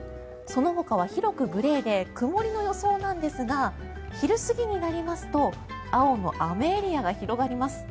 そのほかは広くグレーで曇りの予想なんですが昼過ぎになりますと青の雨エリアが広がります。